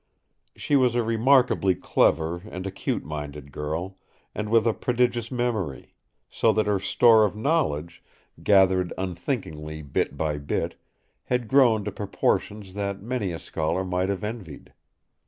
She was a remarkably clever and acute minded girl, and with a prodigious memory; so that her store of knowledge, gathered unthinkingly bit by bit, had grown to proportions that many a scholar might have envied.